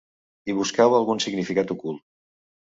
Hi buscava algun significat ocult.